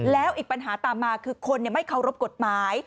แล้วอีกปัญหาตามมาคือคนไม่เคารพกฎหมาย